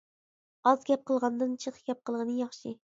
ئاز گەپ قىلغاندىن جىق گەپ قىلغىنى ياخشى.